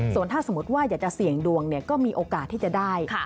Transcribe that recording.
ส่วนถ้าสมมติว่าอยากจะเสี่ยงดวงก็มีโอกาสที่จะได้